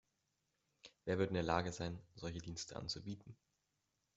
Wer wird in der Lage sein, solche Dienste anzubieten?